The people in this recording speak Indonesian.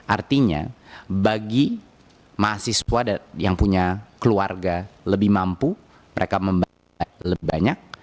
artinya bagi mahasiswa yang punya keluarga lebih mampu mereka membayar lebih banyak